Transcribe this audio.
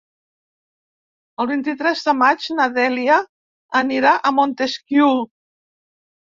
El vint-i-tres de maig na Dèlia anirà a Montesquiu.